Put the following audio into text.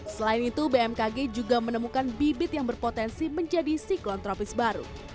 selain itu bmkg juga menemukan bibit yang berpotensi menjadi siklon tropis baru